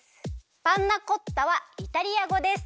パンナコッタはイタリアごです。